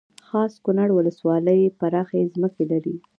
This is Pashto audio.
خاص کونړ ولسوالۍ پراخې ځمکې لري